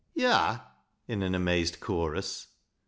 "To' ha'? "in an amazed chorus.